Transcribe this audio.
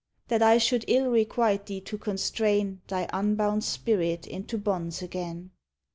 That I should ill requite thee to constrain Thy unbound spirit into bonds again.